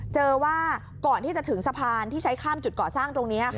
เจอว่าก่อนที่จะถึงสะพานที่ใช้ข้ามจุดก่อสร้างตรงนี้